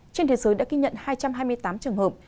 trên thế giới đã ghi nhận hai trăm hai mươi tám trường hợp